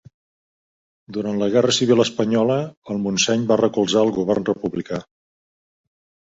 Durant la guerra civil espanyola, el Montseny va recolzar el govern republicà.